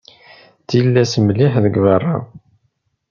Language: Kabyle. D tillas mliḥ deg beṛṛa.